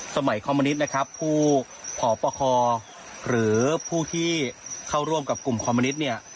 คอมมนิตนะครับผู้ผอประคอหรือผู้ที่เข้าร่วมกับกลุ่มคอมมินิตเนี่ย